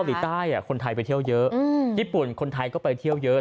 ใต้คนไทยไปเที่ยวเยอะญี่ปุ่นคนไทยก็ไปเที่ยวเยอะ